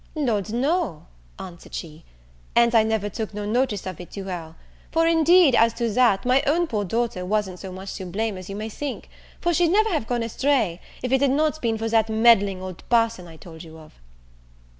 "Lord, no," answered she, "and I never took no notice of it to her: for, indeed, as to that, my own poor daughter wasn't so much to blame as you may think; for she'd never have gone astray, if it had not been for that meddling old parson I told you of."